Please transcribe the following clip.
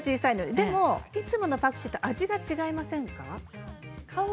でもいつものパクチーと味が違いませんか？